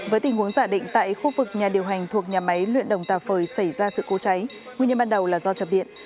với tình huống giả định tại khu vực nhà điều hành thuộc nhà máy luyện đồng tà phời xảy ra sự cố cháy nguyên nhân ban đầu là do chập điện